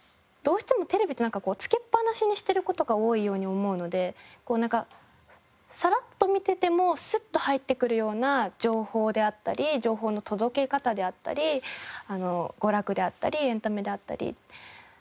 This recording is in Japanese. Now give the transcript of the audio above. どうしてもテレビってなんかこうつけっぱなしにしている事が多いように思うのでこうなんかサラッと見ててもスッと入ってくるような情報であったり情報の届け方であったり娯楽であったりエンタメであったり。